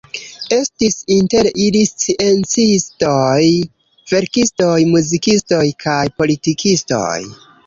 Estis inter ili sciencistoj, verkistoj, muzikistoj kaj politikistoj.